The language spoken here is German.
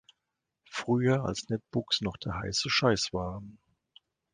Früher als Netbooks noch der heiße Scheiß waren.